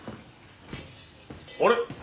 あれ？